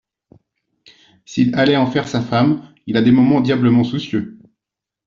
S'il allait en faire sa femme ! Il a des moments diablement soucieux.